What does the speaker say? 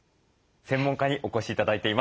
専門家にお越し頂いています。